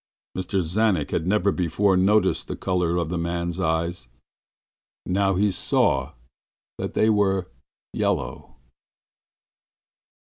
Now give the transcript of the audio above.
Mr. Czanek had never before noticed the color of that man's eyes; now he saw that they were yellow.